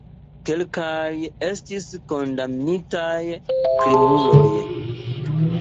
Kelkaj estis kondamnitaj krimuloj.